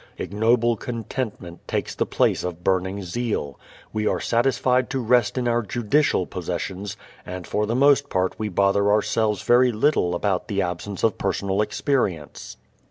Ignoble contentment takes the place of burning zeal. We are satisfied to rest in our judicial possessions and for the most part we bother ourselves very little about the absence of personal experience.